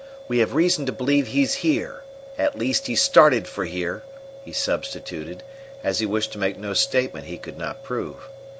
We have reason to believe he's here at least, he started for here," he substituted, as he wished to make no statement he could not prove.